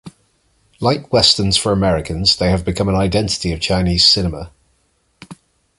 Like westerns for Americans, they have become an identity of Chinese cinema.